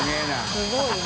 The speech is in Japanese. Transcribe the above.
すごいな。